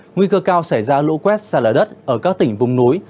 nguy cơ cao xảy ra lũ quét xa lở đất ở các tỉnh vùng núi